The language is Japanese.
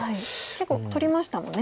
結構取りましたもんね